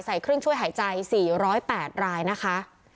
ใส่เครื่องช่วยหายใจ๔๐๘รายนะคะ